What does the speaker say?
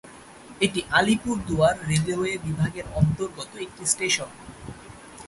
এটি আলিপুরদুয়ার রেলওয়ে বিভাগের অন্তর্গত একটি স্টেশন।